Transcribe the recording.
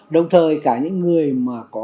đồng thời cả những người mà có